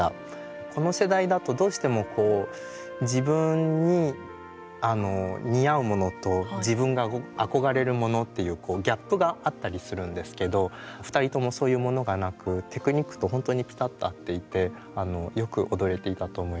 この世代だとどうしてもこう自分に似合うものと自分が憧れるものっていうギャップがあったりするんですけど２人ともそういうものがなくテクニックとほんとにピタッと合っていてよく踊れていたと思います。